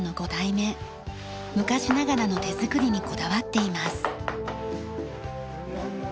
昔ながらの手作りにこだわっています。